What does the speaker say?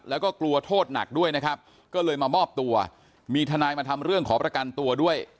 แล้วก็กลัวโทษหนักด้วยนะครับก็เลยมามอบตัวมีทนายมาทำเรื่องขอประกันตัวด้วย